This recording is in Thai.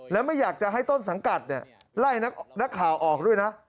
และไม่อยากจะให้ต้นสังกัดไล่นักข่าวออกด้วยนะ